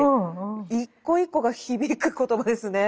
一個一個が響く言葉ですねえ。